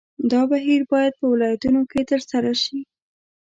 دا بهیر باید په ولایتونو کې ترسره شي.